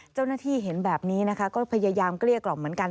เจ้าหน้าที่เห็นแบบนี้นะคะก็พยายามเกลี้ยกล่อมเหมือนกัน